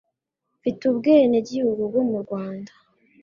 mfite ubwene gihugu bwo mu rwanda